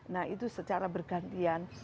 nah itu secara bergantian